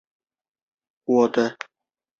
光绪十七年中武举。